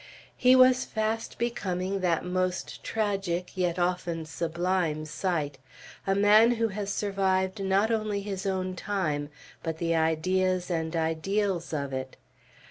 He was fast becoming that most tragic yet often sublime sight, a man who has survived, not only his own time, but the ideas and ideals of it.